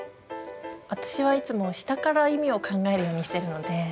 私はいつも下から意味を考えるようにしてるので。